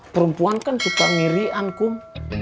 perempuan kan suka miri ankum